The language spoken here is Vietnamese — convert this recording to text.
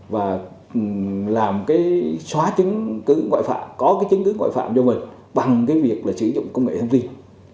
và làm cái xóa chứng cứ ngoại phạm có cái chứng cứ ngoại phạm cho mình bằng cái việc là sử dụng công nghệ thông tin